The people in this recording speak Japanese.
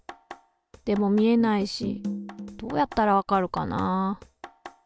でも見えないしどうやったらわかるかな？